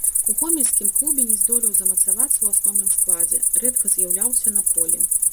У гомельскім клубе не здолеў замацавацца ў асноўным складзе, рэдка з'яўляўся на полі.